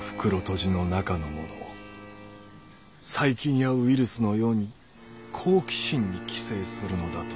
細菌やウイルスのように「好奇心」に寄生するのだとしたら。